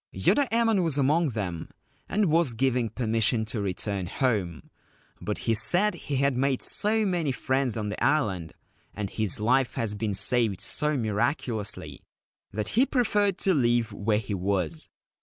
Yoda Emon was among them, and was given permission to return home ; but he said he had made so many friends on the island, and his life had been saved so miraculously, that he preferred to live where he was.